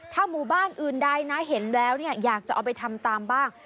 ถ้าหมู่บ้านอื่นใดนะเห็นแล้วเนี่ยอยากจะเอาไปทำตามบ้าง